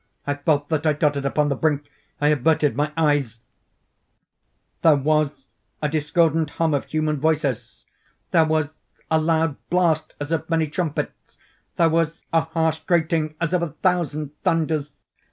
I felt that I tottered upon the brink—I averted my eyes— There was a discordant hum of human voices! There was a loud blast as of many trumpets! There was a harsh grating as of a thousand thunders!